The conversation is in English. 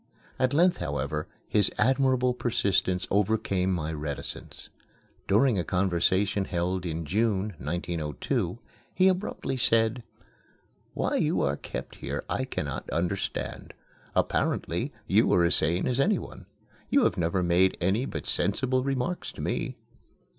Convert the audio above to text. At length, however, his admirable persistence overcame my reticence. During a conversation held in June, 1902, he abruptly said, "Why you are kept here I cannot understand. Apparently you are as sane as anyone. You have never made any but sensible remarks to me."